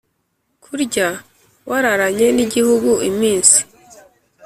kurya wararanye n'igihugu iminsi